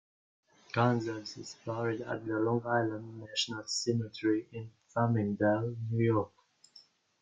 Gonsalves is buried at the Long Island National Cemetery in Farmingdale, New York.